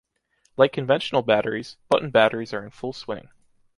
Like conventional batteries, button batteries are in full swing.